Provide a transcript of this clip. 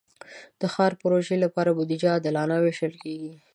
د ښاري پروژو لپاره بودیجه عادلانه ویشل کېږي.